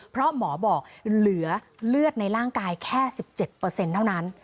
เพราะหมอบอกเหลือเลือดในร่างกายแค่๑๗เท่านั้น